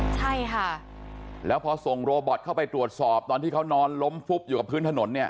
ใช่ค่ะแล้วพอส่งโรบอตเข้าไปตรวจสอบตอนที่เขานอนล้มฟุบอยู่กับพื้นถนนเนี่ย